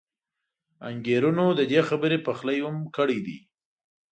انګېرنو د دې خبرې پخلی هم کړی دی.